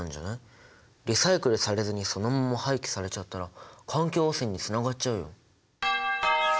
リサイクルされずにそのまま廃棄されちゃったら環境汚染につながっちゃうよ。